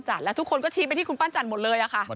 จัดแล้วทุกคนก็ชี้ไปที่คุณปั้นจัดหมดเลยอ่ะค่ะมัน